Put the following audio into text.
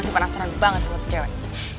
gue penasaran banget sama cewek